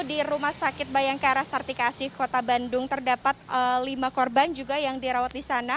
di rumah sakit bayangkara sartikasi kota bandung terdapat lima korban juga yang dirawat di sana